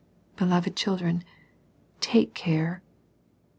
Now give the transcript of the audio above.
Beloved children, take care.